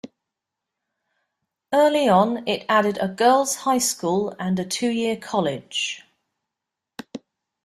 Early on it added a girl's high school and a two-year college.